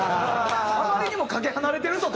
あまりにもかけ離れてるぞと。